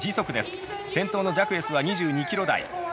先頭のジャクエスは２２キロ台。